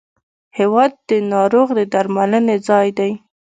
هېواد د ناروغ د درملنې ځای دی.